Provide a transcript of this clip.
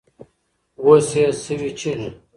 اوس يې سوي چيـغي